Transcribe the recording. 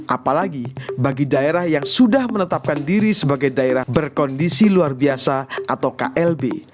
apalagi bagi daerah yang sudah menetapkan diri sebagai daerah berkondisi luar biasa atau klb